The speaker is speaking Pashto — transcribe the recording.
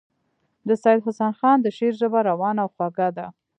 د سید حسن خان د شعر ژبه روانه او خوږه وه.